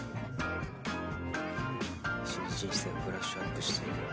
人生をブラッシュアップしていく。